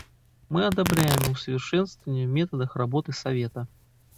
Мы одобряем усовершенствования в методах работы Совета.